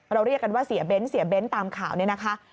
เราเรียกกันว่าเสียเบนท์เสียเบนท์ตามข่าวนี่นะคะ